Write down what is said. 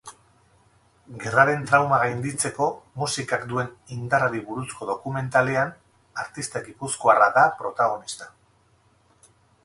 Gerraren trauma gainditzeko musikak duen indarrari buruzko dokumentalean, artista gipuzkoarra da protagonista.